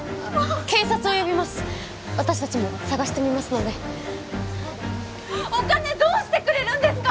警察を呼びます私たちも捜してみますのでお金どうしてくれるんですか！